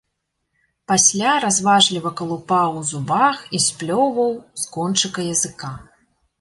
Пасля разважліва калупаў у зубах і сплёўваў з кончыка языка.